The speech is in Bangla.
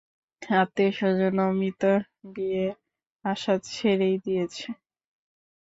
আত্মীয়স্বজন অমিতর বিয়ের আশা ছেড়েই দিয়েছে।